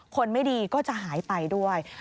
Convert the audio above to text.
คนไม่ดีก็จะหายไปด้วย